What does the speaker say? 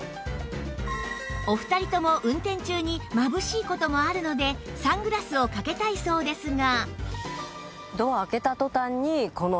お二人とも運転中にまぶしい事もあるのでサングラスをかけたいそうですが